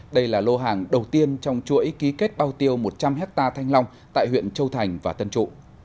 đây là lô hàng đầu tiên trong chuỗi ký kết bao tiêu một trăm linh hectare thanh long tại huyện châu thành và tân trụ